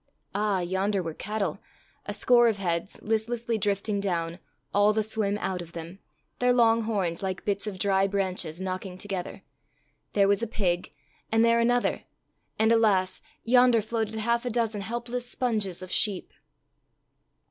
Ah! yonder were cattle! a score of heads, listlessly drifting down, all the swim out of them, their long horns, like bits of dry branches, knocking together! There was a pig, and there another! And, alas! yonder floated half a dozen helpless sponges of sheep!